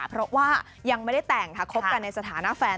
เพราะว่ายังไม่ได้แต่งค่ะคบกันในสถานะแฟน